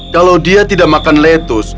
kalau dia tidak makan lettuce